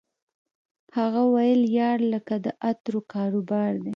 هغه ویل یار لکه د عطرو کاروبار دی